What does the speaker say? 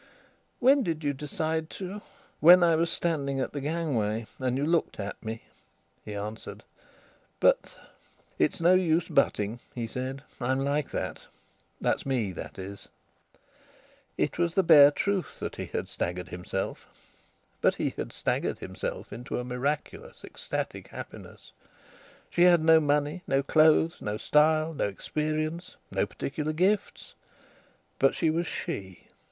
"When did you decide to..." "When I was standing at the gangway, and you looked at me," he answered. "But..." "It's no use butting," he said. "I'm like that.... That's me, that is." It was the bare truth that he had staggered himself. But he had staggered himself into a miraculous, ecstatic happiness. She had no money, no clothes, no style, no experience, no particular gifts. But she was she.